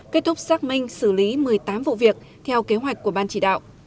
kết thúc xác minh xử lý một mươi tám vụ việc theo kế hoạch của ban chỉ đạo